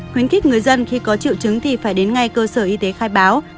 khuyến khích người dân khi có triệu chứng thì phải đến ngay cơ sở y tế khai báo